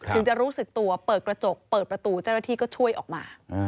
ถึงจะรู้สึกตัวเปิดกระจกเปิดประตูเจ้าหน้าที่ก็ช่วยออกมา